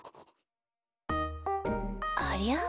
ありゃ？